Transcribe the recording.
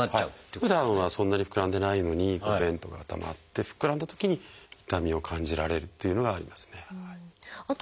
ふだんはそんなに膨らんでないのに便とかがたまって膨らんだときに痛みを感じられるっていうのがありますね。